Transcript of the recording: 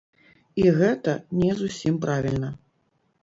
І гэта не зусім правільна.